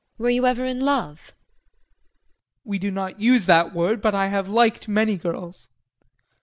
JULIE. Were you ever in love? JEAN. We do not use that word, but I have liked many girls.